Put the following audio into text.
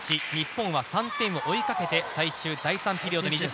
日本は３点を追いかけて最終第３ピリオド。